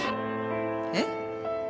えっ？